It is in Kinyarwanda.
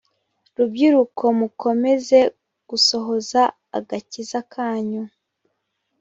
rubyiruko mukomeze gusohoza agakiza kanyu